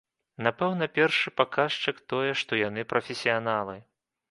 Напэўна, першы паказчык тое, што яны прафесіяналы.